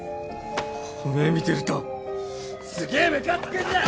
おめえ見てるとすげえムカつくんだよ！